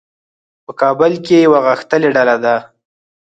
په کابل کې یوه غښتلې ډله ده.